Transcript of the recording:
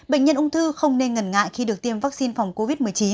bệnh nhân ung thư không nên ngần ngại khi được tiêm vaccine phòng covid một mươi chín